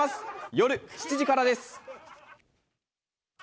夜７時からです。